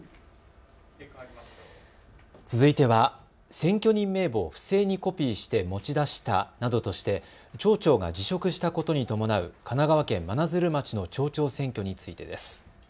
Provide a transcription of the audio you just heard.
続いては選挙人名簿を不正にコピーして持ち出したなどとして町長が辞職したことに伴う神奈川県真鶴町の町長選挙についてです。